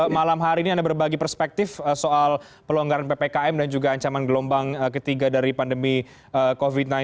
malam hari ini anda berbagi perspektif soal pelonggaran ppkm dan juga ancaman gelombang ketiga dari pandemi covid sembilan belas